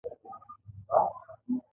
پاچا وویل د چیني له کوړنجاري نه خو خلاص شو.